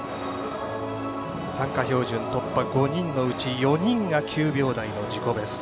参加標準突破５人のうち４人が９秒台の自己ベスト。